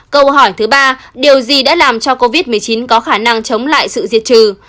câu hỏi thứ ba điều gì đã làm cho covid một mươi chín có khả năng chống lại sự diệt trừ